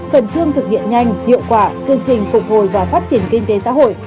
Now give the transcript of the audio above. cần chương thực hiện nhanh hiệu quả chương trình phục hồi và phát triển kinh tế xã hội